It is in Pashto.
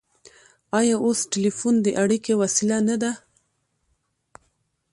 آیا اوس ټیلیفون د اړیکې وسیله نه ده؟